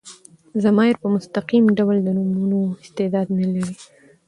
ضمایر په مستقیم ډول د نومونو استعداد نه لري.